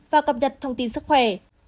và cập nhật thông tin sức khỏe